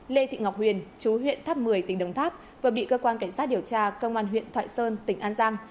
lê thị ngọc huyền chú huyện tháp một mươi tỉnh đồng tháp vừa bị cơ quan cảnh sát điều tra công an huyện thoại sơn tỉnh an giang